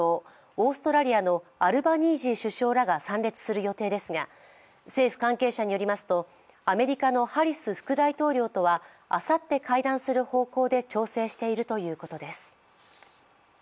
オーストラリアのアルバニージー首相らが参列する予定ですが政府関係者によりますとアメリカのハリス副大統領とはあさって会談する方向で調整しているということです。